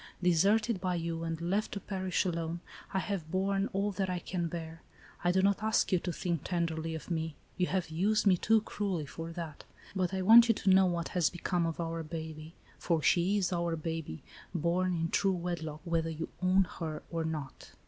Deserted by you, and left to perish alone, I have borne all that I can bear. I do not ask you to think tenderly of me,^ you have used me too cruelly for that ; but I want you to know what has become of our baby, for she is our baby, born in true wedlock, whether you own her or not.